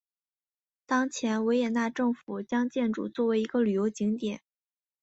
当前维也纳政府将建筑当作一个旅游景点。